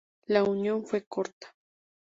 La unión fue corta.